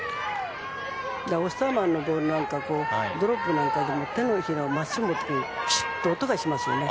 オスターマンのボールはドロップなんかでも手のひらでボールを放すとビシッと音がしますよね。